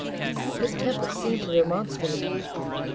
Miss Temple seemed to remonstrate.